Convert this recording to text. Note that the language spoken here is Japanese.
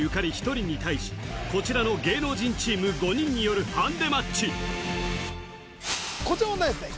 １人に対しこちらの芸能人チーム５人によるハンデマッチこちらの問題ですね